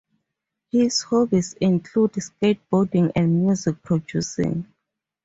His hobbies include skateboarding and music producing.